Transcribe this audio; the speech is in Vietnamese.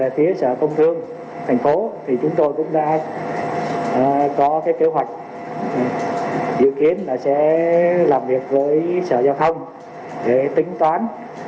về phía sở công thương tp hcm thì chúng tôi cũng đã có kế hoạch dự kiến là sẽ làm việc với sở giao không để tính toán